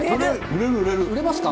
売れますか？